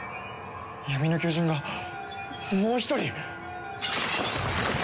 闇の巨人がもう一人！？